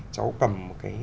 cháu cầm một cái